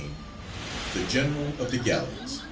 _ XV. THE GENERAL OF THE GALLEYS.